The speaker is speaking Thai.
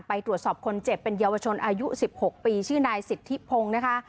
ไปตรวจสอบคนเจ็บเป็นเยาวชนอายุ๑๖ปีชื่อนายสิทธิพงศ์นะคะ